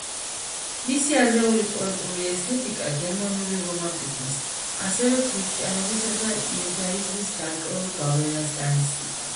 მისი ადრეული პოეტური ესთეტიკა გერმანული რომანტიზმის, ასევე ქრისტიანობისა და იუდაიზმის გარკვეულ გავლენას განიცდიდა.